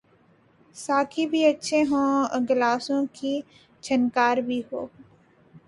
ساقی بھی اچھے ہوں اور گلاسوں کی جھنکار بھی ہو۔